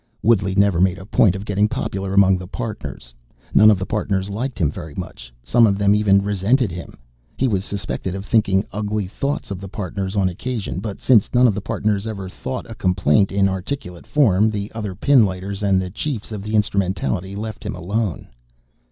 Woodley never made a point of getting popular among the Partners. None of the Partners liked him very much. Some of them even resented him. He was suspected of thinking ugly thoughts of the Partners on occasion, but since none of the Partners ever thought a complaint in articulate form, the other pinlighters and the Chiefs of the Instrumentality left him alone.